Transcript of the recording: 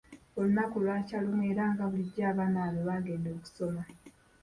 Olunaku lwakya lumu era nga bulijjo abaana bano baagenda okusoma.